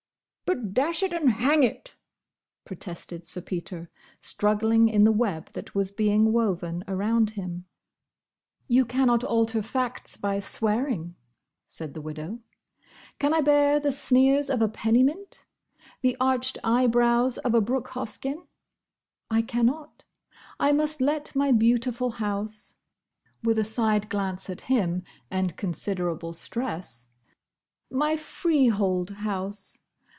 "But—dash it and hang it—!" protested Sir Peter, struggling in the web that was being woven around him. "You cannot alter facts by swearing," said the widow. "Can I bear the sneers of a Pennymint? the arched eyebrows of a Brooke Hoskyn? I cannot. I must let my beautiful house," with a side glance at him and considerable stress, "my freehold house.